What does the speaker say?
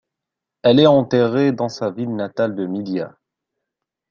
Elle est enterrée dans sa ville natale de Media.